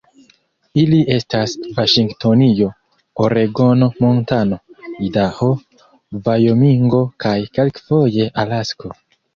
Ili estas Vaŝingtonio, Oregono, Montano, Idaho, Vajomingo kaj kelkfoje Alasko.